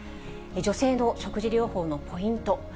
女性の食事療法のポイント。